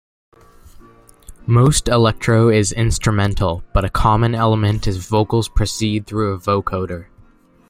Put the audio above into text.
Most electro is instrumental, but a common element is vocals processed through a vocoder.